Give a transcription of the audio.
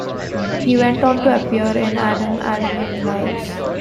He went on to appear in Adam Adamant Lives!